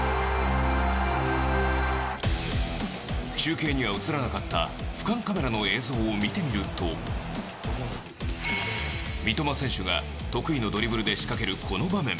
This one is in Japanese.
中継には映らなかった俯瞰カメラの映像を見てみると三笘選手が、得意のドリブルで仕掛けるこの場面。